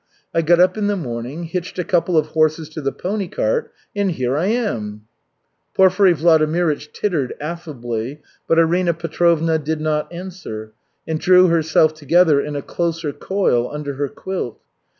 I got up in the morning, hitched a couple of horses to the pony cart, and here I am!" Porfiry Vladimirych tittered affably, but Arina Petrovna did not answer, and drew herself together in a closer coil under her quilt.